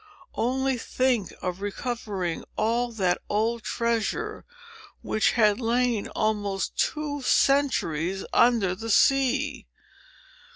Only think of recovering all that old treasure, which had lain almost two centuries under the sea!